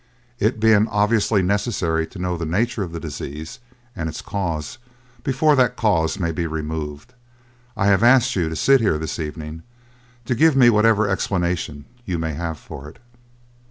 It being obviously necessary to know the nature of the disease and its cause before that cause may be removed, I have asked you to sit here this evening to give me whatever explanation you may have for it."